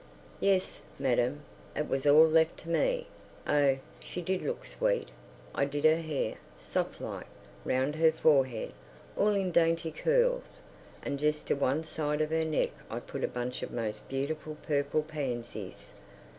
... Yes, madam, it was all left to me. Oh, she did look sweet. I did her hair, soft like, round her forehead, all in dainty curls, and just to one side of her neck I put a bunch of most beautiful purple pansies.